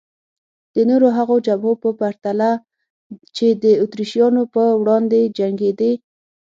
د نورو هغو جبهو په پرتله چې د اتریشیانو په وړاندې جنګېدې.